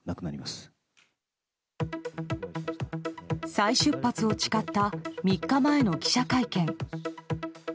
再出発を誓った３日前の記者会見。